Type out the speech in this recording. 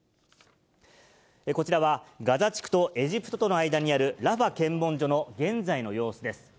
こちらはガザ地区とエジプトとの間にあるラファ検問所の現在の様子です。